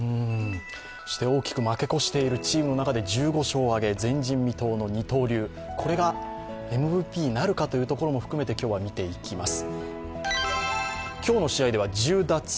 そして大きく負け越しているチームの中で１５勝を挙げ前人未到の二刀流、これがＭＶＰになるかというところも含めて、今日は見ていきます。